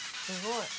すごい。